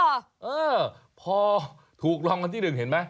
เออพอถูกลองที่๑เห็นไหม